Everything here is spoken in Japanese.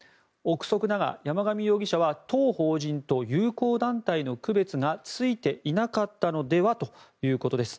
臆測だが、山上容疑者は当法人と友好団体の区別がついていなかったのではということです。